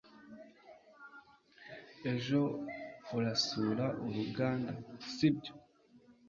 Ejo urasura uruganda, sibyo?